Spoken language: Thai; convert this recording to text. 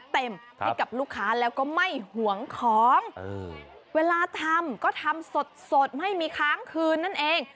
ให้กับลูกค้าแล้วก็ไม่ห่วงของเวลาทำก็ทำสดไม่มีค้างคืนนั่นเอง